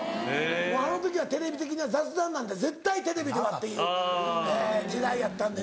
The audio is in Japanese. もうあの時はテレビ的には雑談なんて絶対テレビではっていう時代やったんでね